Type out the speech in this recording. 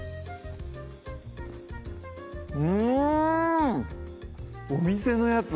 うんお店のやつ